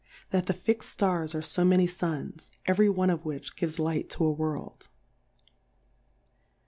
That the fix'd Stars are fo many Suns, every one of which gives Light to a World. «^,i